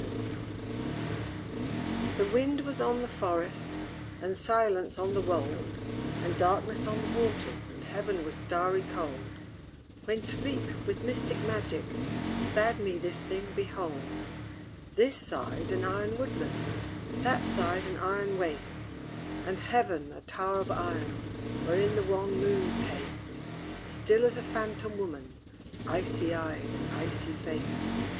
WHICH? The wind was on the forest, And silence on the wold; And darkness on the waters, And heaven was starry cold; When Sleep, with mystic magic, Bade me this thing behold: This side, an iron woodland; That side, an iron waste; And heaven, a tower of iron, Wherein the wan moon paced, Still as a phantom woman, Ice eyed and icy faced.